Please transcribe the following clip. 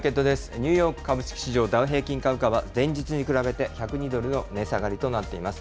ニューヨーク株式市場、ダウ平均株価は、前日に比べて１０２ドルの値下がりとなっています。